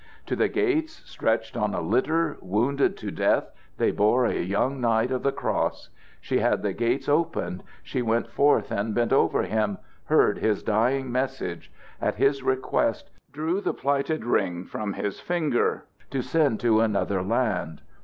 To the gates, stretched on a litter, wounded to death, they bore a young knight of the Cross. She had the gates opened. She went forth and bent over him; heard his dying message; at his request drew the plighted ring from his finger to send to another land.